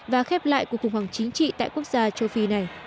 và khép lại cuộc khủng hoảng chính trị